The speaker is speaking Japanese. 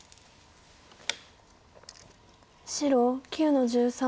白９の十三。